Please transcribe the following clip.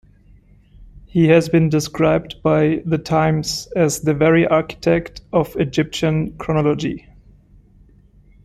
He has been described by "The Times" as "the very architect of Egyptian chronology".